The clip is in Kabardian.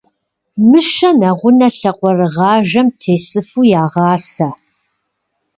Мыщэ нэгъунэ лъакъуэрыгъажэм тесыфу ягъасэ.